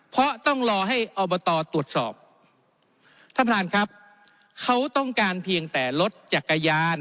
เพราะต้องรอให้อบตตรวจสอบท่านประธานครับเขาต้องการเพียงแต่รถจักรยาน